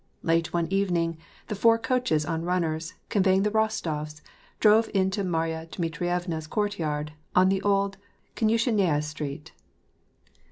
Late one evening, the four coaches on runners, conveying the Rostofs, drove into Marya Dmitrievna's courtyard, on the Old Konyiishennaya Street.